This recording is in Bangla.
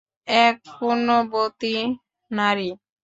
এক পুণ্যবতী নারী।